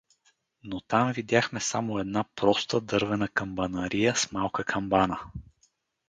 Но там видяхме само една проста, дървена камбанария с малка камбана.